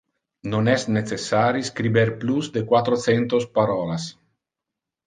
Non es necessari scriber plus de quatro centos parolas.